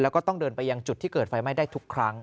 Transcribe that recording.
แล้วก็ต้องเดินไปยังจุดที่เกิดไฟไหม้ได้ทุกครั้ง